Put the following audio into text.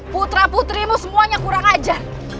putra putrimu semuanya kurang ajar